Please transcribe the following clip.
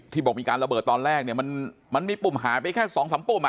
ที่บอกมีการระเบิดตอนแรกเนี่ยมันมันมีปุ่มหาไปแค่สองสามปุ่มอ่ะ